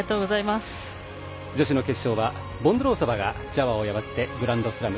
女子の決勝はボンドロウソバがジャバーを破ってグランドスラム